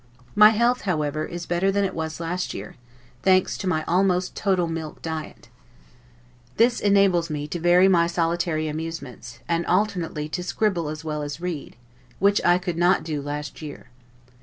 My health, however, is better than it was last year, thanks to my almost total milk diet. This enables me to vary my solitary amusements, and alternately to scribble as well as read, which I could not do last year.